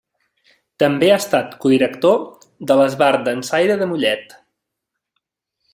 També ha estat codirector de l'Esbart Dansaire de Mollet.